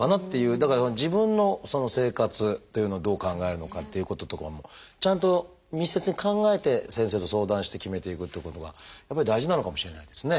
だから自分の生活というのをどう考えるのかっていうこととかもちゃんと密接に考えて先生と相談して決めていくっていうことがやっぱり大事なのかもしれないですね。